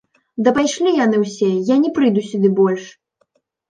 Да пайшлі яны ўсе, я не прыйду сюды больш!